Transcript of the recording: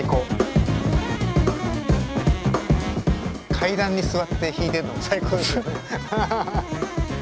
階段に座って弾いてるのも最高ですよねハハハ。